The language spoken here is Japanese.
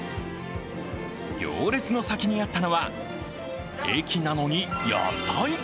行列の先にあったのは駅なのに野菜。